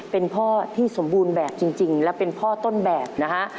เป็นพ่อที่สมบูรณ์แบบจริงและเป็นพ่อต้นแบบนะฮะ